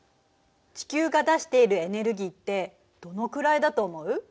地球が出しているエネルギーってどのくらいだと思う？